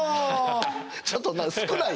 ちょっと少ない！